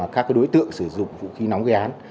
các đối tượng sử dụng vũ khí nóng gây án